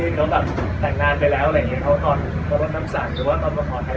มารนด์น้ำสั่งหรือว่ามาขอถ่ายเพื่อนอะไรอย่างเงี้ย